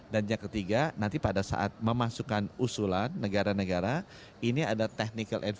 dan yang ketiga nanti pada saat memasukkan usulan negara negara ini ada technical advisory group